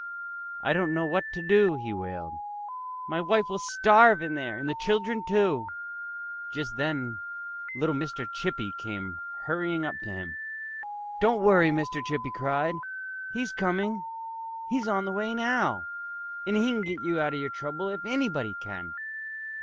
"I don't know what to do," he wailed. "My wife will starve in there and the children, too." Just then little Mr. Chippy came hurrying up to him. "Don't worry!" Mr. Chippy cried. "He's coming! He's on the way now; and he can get you out of your trouble if anybody can."